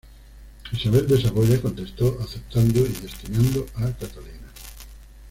Isabel de Saboya contestó aceptando y destinando a Catalina.